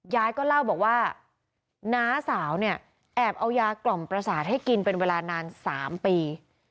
ยายก็เล่าบอกว่าน้าสาวเนี่ยแอบเอายากล่อมประสาทให้กินเป็นเวลานาน๓ปี